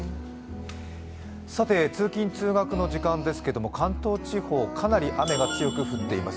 通勤・通学の時間ですけれども関東地方、かなり雨が強く降っています。